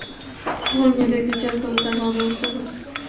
অমল, মেয়ে দেখতে চাও তো তার বন্দোবস্ত করি।